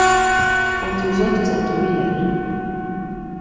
Hofu zote za tuliza